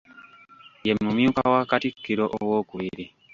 Ye mumyuka wa Katikkiro owookubiri.